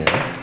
udah mas udah